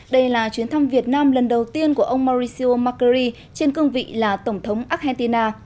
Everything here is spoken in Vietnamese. đây là chuyến thăm việt nam lần đầu tiên của ông mauricio macri trên cương vị là tổng thống argentina